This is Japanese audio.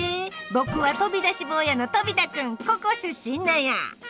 僕は飛び出し坊やのとび太くんここ出身なんや！」。